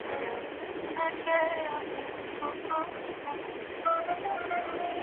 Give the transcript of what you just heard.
Perteneciente al clado de "Sylvia" y los picos de loros.